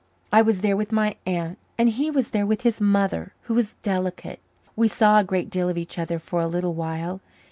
I was there with my aunt and he was there with his mother, who was delicate. We saw a great deal of each other for a little while.